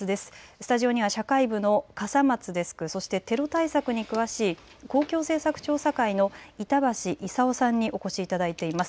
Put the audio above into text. スタジオには社会部の笠松デスク、そしてテロ対策に詳しい公共政策調査会の板橋功さんにお越しいただいています。